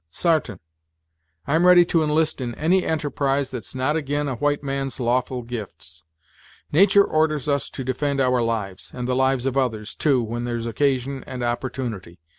"Sartain. I'm ready to enlist in any enterprise that's not ag'in a white man's lawful gifts. Natur' orders us to defend our lives, and the lives of others, too, when there's occasion and opportunity.